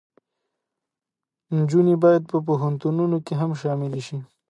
نجونې باید په پوهنتونونو کې هم شاملې شي.